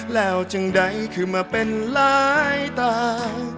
แล้วจึงใดคือมาเป็นหลายตา